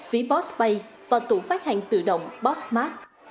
ví postpay và tủ phát hàng tự động postmart